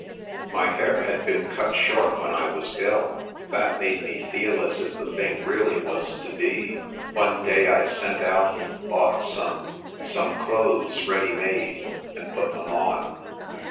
"My hair had been cut short when I was ill. That made me feel as if the thing really was to be. One day I sent out and bought some — some clothes, ready made, and put them on.